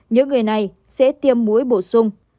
những người này sẽ tiêm mũi bổ sung